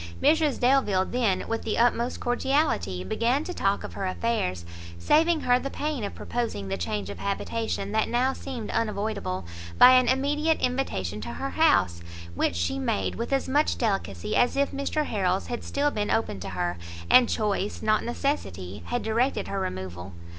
Mrs Delvile then, with the utmost cordiality, began to talk of her affairs, saving her the pain of proposing the change of habitation that now seemed unavoidable, by an immediate invitation to her house, which she made with as much delicacy as if Mr Harrel's had still been open to her, and choice, not necessity, had directed her removal.